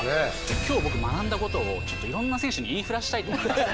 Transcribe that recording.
今日僕学んだことをちょっといろんな選手に言い触らしたいと思います。